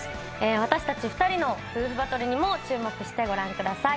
私たち２人の夫婦バトルにも注目してご覧ください。